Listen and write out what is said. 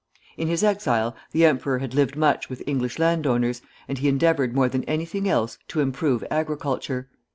In his exile the emperor had lived much with English landowners, and he endeavored more than anything else to improve agriculture.